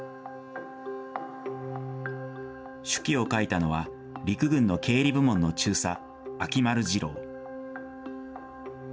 手記を書いたのは、陸軍の経理部門の中佐、秋丸次朗。